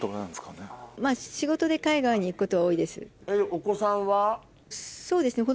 お子さんは？